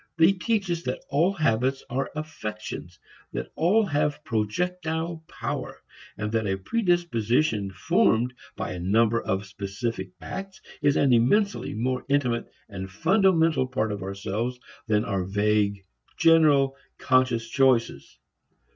They teach us that all habits are affections, that all have projectile power, and that a predisposition formed by a number of specific acts is an immensely more intimate and fundamental part of ourselves than are vague, general, conscious choices.